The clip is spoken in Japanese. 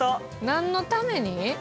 何のために？